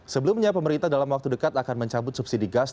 sebelumnya pemerintah dalam waktu dekat akan mencabut subsidi gas